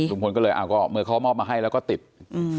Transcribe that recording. ลุงพลก็เลยอ้าวก็เมื่อเขามอบมาให้แล้วก็ติดอืม